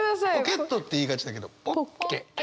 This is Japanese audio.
「ポケット」って言いがちだけど「ポッケ」。